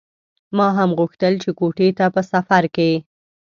ما هم غوښتل چې کوټې ته په سفر کې.